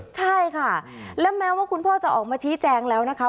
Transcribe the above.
ใช่ค่ะและแม้ว่าคุณพ่อจะออกมาชี้แจงแล้วนะคะ